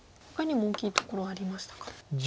ほかにも大きいところありましたか？